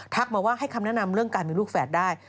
มาว่าให้คำแนะนำเรื่องการมีลูกแฝดได้